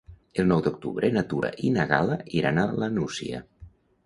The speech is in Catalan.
El nou d'octubre na Tura i na Gal·la iran a la Nucia.